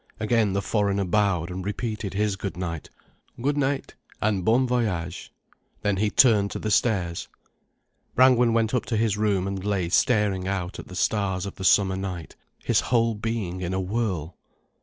Again the foreigner bowed and repeated his good night. "Good night, and bon voyage." Then he turned to the stairs. Brangwen went up to his room and lay staring out at the stars of the summer night, his whole being in a whirl.